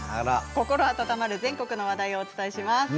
心温まる全国の話題をお伝えします。